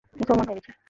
মুসলমান হয়ে গেছি।